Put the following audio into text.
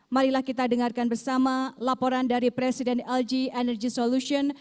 marilah kita dengarkan bersama laporan dari presiden lg energy solution